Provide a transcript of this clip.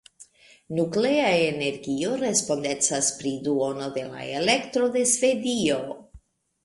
Nuklea energio respondecas pri duono de la elektro de Svedio.